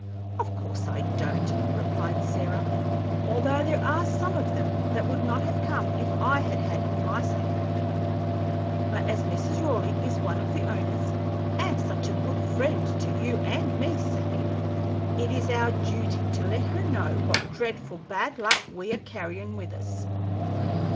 "Of course I don't," replied Sarah; "although there are some of them that would not have come in if I had had my say about it; but as Mrs. Raleigh is one of the owners, and such a good friend to you and me, Sammy, it is our duty to let her know what dreadful bad luck we are carryin' with us."